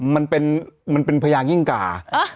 มันเป็นมันเป็นพญางิ่งกา